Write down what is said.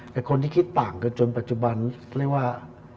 แต่คนที่คิดต่างกันจนปัจจุบันเรียกว่า